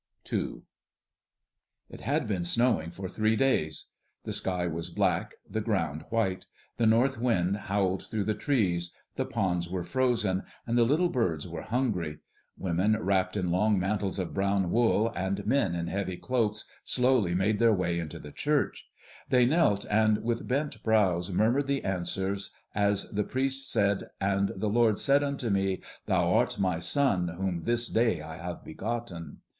II. It had been snowing for three days. The sky was black, the ground white; the north wind howled through the trees; the ponds were frozen; and the little birds were hungry. Women, wrapped in long mantles of brown wool, and men in heavy cloaks slowly made their way into the church. They knelt and with bent brows murmured the answer as the priest said, "And the Lord said unto me, 'Thou art my Son, whom this day I have begotten.'"